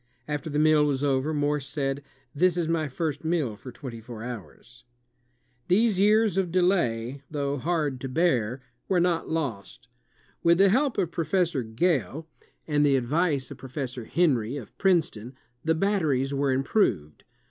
After the meal was over Morse said, "This is my first meal for twenty four hours." These years of delay, though hard to bear, were not lost. With the help of Professor Gale and the advice of 224 INVENTIONS OF PRINTING AND COxMMUNI CATION Professor Henry, of Princeton, the batteries were im proved.